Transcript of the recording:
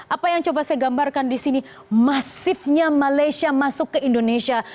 apa yang coba saya gambarkan di sini masifnya malaysia masuk ke indonesia